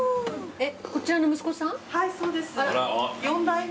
えっ？